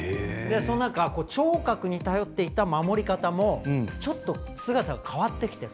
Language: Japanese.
その中で、聴覚に頼っていた守り方も姿が変わってきている。